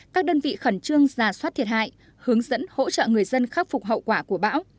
các đơn vị khẩn trương giả soát thiệt hại hướng dẫn hỗ trợ người dân khắc phục hậu quả của bão